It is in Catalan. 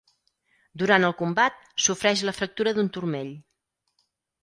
Durant el combat sofreix la fractura d'un turmell.